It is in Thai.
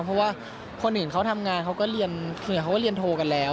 เพราะว่าคนอื่นเขาทำงานเขาก็เรียนโทกันแล้ว